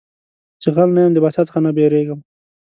چي غل نه يم د باچا څه نه بيرېږم.